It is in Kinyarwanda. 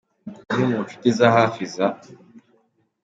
umwe mu nshuti za hafi za.